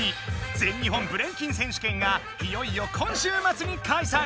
全日本ブレイキン選手権がいよいよ今週まつに開催！